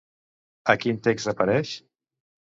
A quin text apareix?